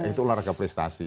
itu olahraga prestasi